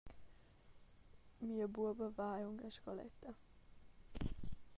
Mia buoba va aunc a scoletta.